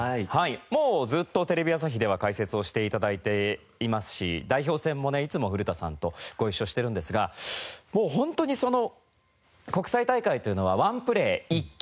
もうずっとテレビ朝日では解説をして頂いていますし代表戦もねいつも古田さんとご一緒してるんですがもう本当にその国際大会というのはワンプレー１球。